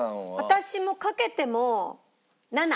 私もかけても７。